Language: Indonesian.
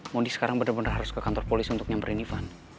mon sekarang bener bener harus ke kantor polis untuk nyamperin ivan